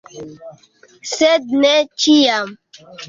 Sed ne ĉiam!